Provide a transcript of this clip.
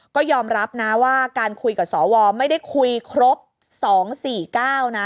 ก็ยอมรับนะว่าการคุยกับสวไม่ได้คุยครบ๒๔๙นะ